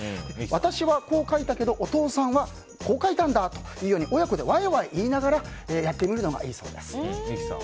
私は、こう書いたけどお父さんはこう書いたんだ！というように親子でわいわい言いながら三木さん、こういうことですね。